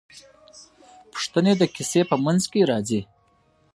پوښتنې د کیسې په منځ کې راځي.